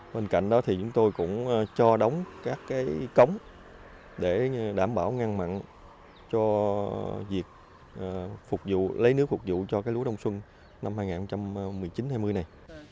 bên cạnh đó thì chúng tôi cũng cho đóng các cái cống để đảm bảo ngăn mặn cho việc lấy nước phục vụ cho cái lúa đông xuân năm hai nghìn một mươi chín hai nghìn hai mươi này